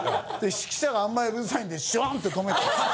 指揮者があんまりうるさいんでシュワン！って止めて。